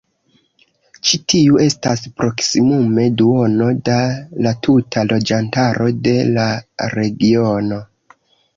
Ĉi tiu estas proksimume duono da la tuta loĝantaro de la regiono.